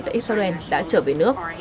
tại israel đã trở về nước